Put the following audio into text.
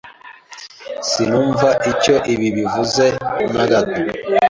Sinumva icyo ibi bivuze na gato.